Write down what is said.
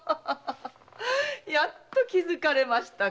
やっと気づかれましたか。